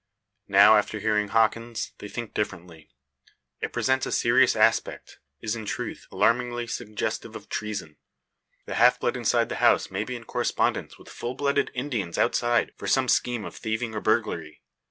Now, after hearing Hawkins, they think differently. It presents a serious aspect, is, in truth, alarmingly suggestive of treason. The half blood inside the house may be in correspondence with full blooded Indians outside, for some scheme of thieving or burglary.